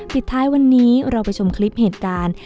ปิดท้ายวันนี้เราไปชมคลิปเหตุการณ์